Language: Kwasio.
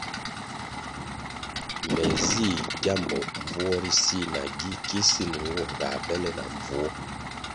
Ne zih gyambo mbvuo ri si na gi kisin nwo ga bele na mbvuo.